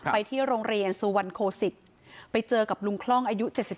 ไปที่โรงเรียนสุวรรณโคศิษฐ์ไปเจอกับลุงคล่องอายุ๗๒